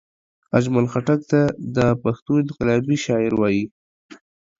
اجمل خټګ ته دا پښتو انقلابي شاعر وايي